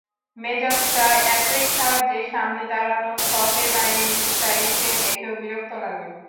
মেজাজটা এতই খারাপ যে, সামনে দাঁড়ানো সফেদ আইনস্টাইনকে দেখেও বিরক্ত লাগে।